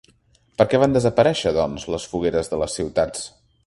Perquè van desaparèixer, doncs, les fogueres de les ciutats?